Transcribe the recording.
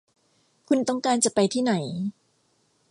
คุณต้องการจะไปที่ไหน